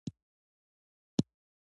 کندهار د افغانستان د بشري فرهنګ برخه ده.